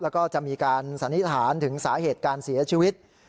แล้วก็จะมีการสันนิษฐานถึงสาเหตุการเสียชีวิต